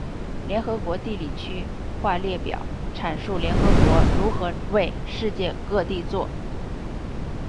联合国地理区划列表阐述联合国如何为世界各地作。